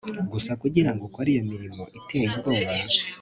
gusa kugirango ukore iyo mirimo iteye ubwoba